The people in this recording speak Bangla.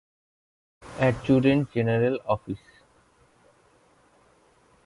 Adjutant general office.